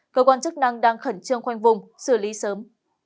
cơ quan chức năng đang khẩn trương khoanh vùng xử lý sớm